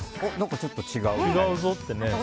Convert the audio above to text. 何かちょっと違うぞってね。